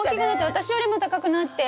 私よりも高くなって。